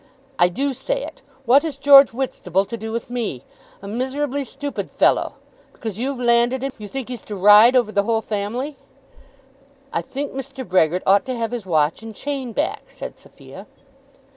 "I do say it. What has George Whitstable to do with me? A miserably stupid fellow! Because you've landed him, you think he's to ride over the whole family." "I think Mr. Brehgert ought to have his watch and chain back," said Sophia.